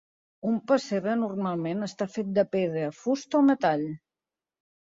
Un pessebre normalment està fet de pedra, fusta o metall.